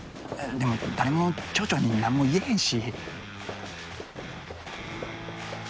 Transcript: でも誰も町長になんも言えへんし。